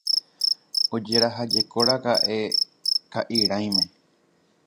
Ojerahájekoraka'e ka'irãime